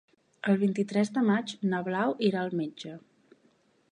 El vint-i-tres de maig na Blau irà al metge.